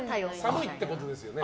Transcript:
寒いってことですよね？